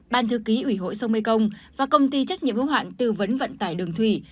ban thư ký ủy hội sông mê công và công ty trách nhiệm hữu hạn tư vấn vận tải đường thủy